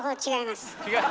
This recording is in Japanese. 違う？